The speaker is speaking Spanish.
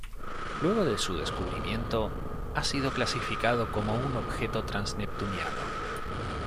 Luego de su descubrimiento, ha sido clasificado como objeto transneptuniano.